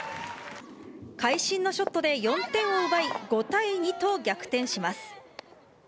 会心のショットで４点を奪い、５対２と逆転します。